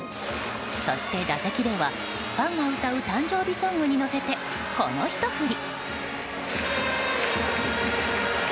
そして打席ではファンが歌う誕生日ソングに乗せてこのひと振り。